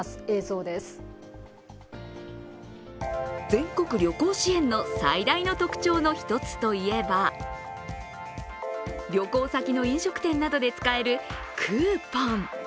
全国旅行支援の最大の特徴の一つといえば、旅行先の飲食店などで使えるクーポン。